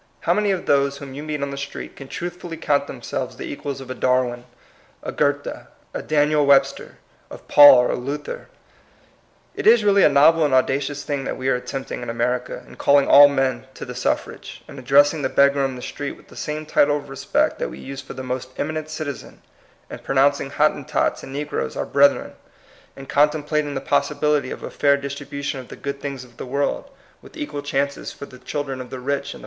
How many of those whom you meet on the street can truthfully count themselves the equals of a Darwin, a Goethe, a Daniel Webster, of Paul or Luther? It is really a novel and audacious thing that we are attempting in America, in call ing all men to the suffrage, in addressing the beggar on the street vrith the same title of respect that we use for the most eminent citizen,' in pronouncing Hottentots and Negroe3 our brethren, in contemplating the possibility of a fair distribution of the onod things of the world, with equal THE IDEAL DEMOCRACY.